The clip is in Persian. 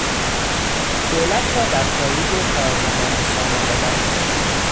دولت را بر پایهی پارلمانی سامان دادن